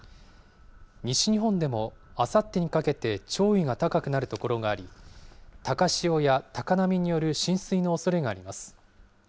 西日本でもあさってにかけて潮位が高くなる所があり、高潮や高波による浸水のおそれがあります。